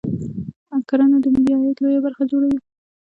کرنه د ملي عاید لویه برخه جوړوي